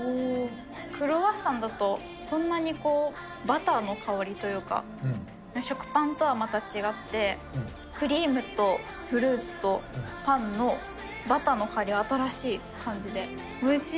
クロワッサンだとそんなにこう、バターの香りというか、食パンとはまた違って、クリームとフルーツとパンのバターの香り新しい感じで、おいしい。